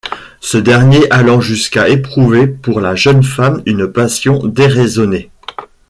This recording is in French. Ce dernier allant jusqu'à éprouver pour la jeune femme une passion déraisonnée.